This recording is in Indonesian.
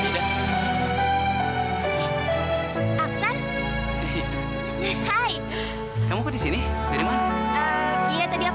sampai jumpa di video selanjutnya